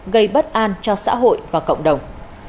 gây bất an cho xã hội và cộng đồng